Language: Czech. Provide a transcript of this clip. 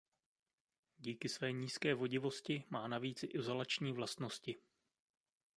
Díky své nízké vodivosti má navíc i izolační vlastnosti.